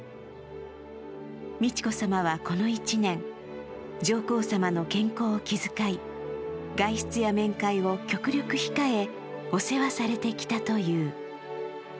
美智子さまはこの１年、上皇さまの健康を気遣い、外出や面会を極力控え、お世話されてきたという。